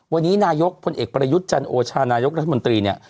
วันนี้นายกพลเอกประยุทธ์จันโอชานายกรัฐมนตรีเนี่ย